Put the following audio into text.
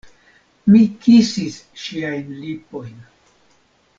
Mi kisis ŝiajn lipojn.